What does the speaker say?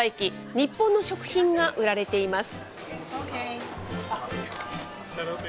日本の食品が売られています。